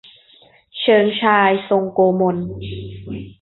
เชิงชาย ทรงโกมล